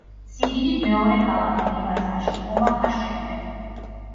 სიდიდით მეორე ქალაქი ნებრასკაში ომაჰას შემდეგ.